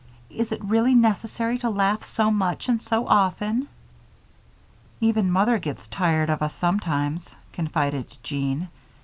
Is it really necessary to laugh so much and so often?" "Even Mother gets tired of us sometimes," confided Jean.